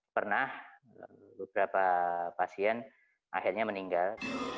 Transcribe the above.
pernah beberapa pasien akhirnya meninggal